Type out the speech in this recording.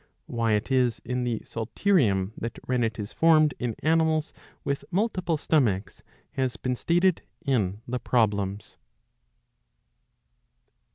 Why it is in the psalterium that rennet is formed in animals with multiple stomachs has been stated in the Problems.